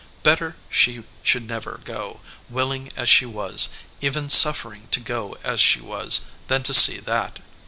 Better she should never go, willing as she was, even suffering to go as she was, than to see that.